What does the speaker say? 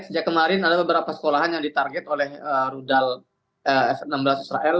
sejak kemarin ada beberapa sekolahan yang ditarget oleh rudal enam belas israel